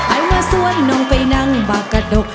ไอ้มาสวนน้องไปนั่งบากะดก